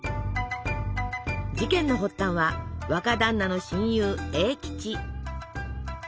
事件の発端は若だんなの親友栄吉。